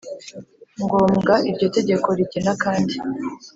Ngombwa. Iryo tegeko rigena kandi